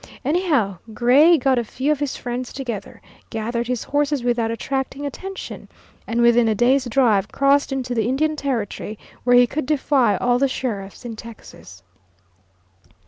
Anyhow, Gray got a few of his friends together, gathered his horses without attracting attention, and within a day's drive crossed into the Indian Territory, where he could defy all the sheriffs in Texas.